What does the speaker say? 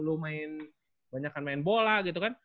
lu main banyak kan main bola gitu kan